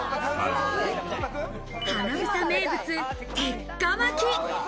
英名物、鉄火巻き。